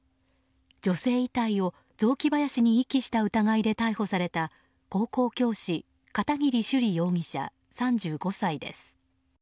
女性遺体を雑木林に遺棄した疑いで逮捕された高校教師片桐朱璃容疑者、３５歳です。